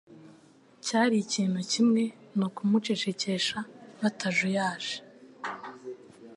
cyari ikintu kimwe ni ukumucecekesha batajuyaje.